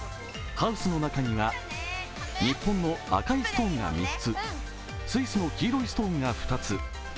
ハウスの中には日本の赤いストーンが３つ、スイスの黄色いストーンが２つ。